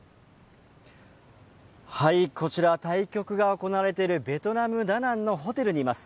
こちら対局が行われているベトナム・ダナンのホテルにいます